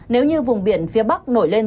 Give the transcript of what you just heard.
nếu như vùng biển phía bắc nổi lên